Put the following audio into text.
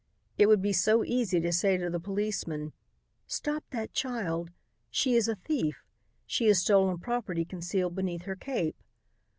It would be so easy to say to the policeman, "Stop that child. She is a thief. She has stolen property concealed beneath her cape."